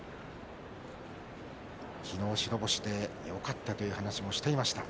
昨日、白星でよかったという話をしていました。